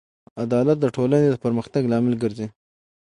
عدالت د ټولنې د پرمختګ لامل ګرځي.